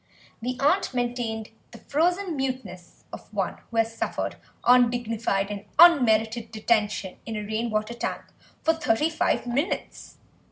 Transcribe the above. The aunt maintained the frozen muteness of one who has suffered undignified and unmerited detention in a rain water tank for thirty five minutes.